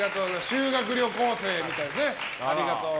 修学旅行生みたいですね。